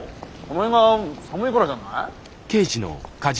この辺が寒いからじゃない？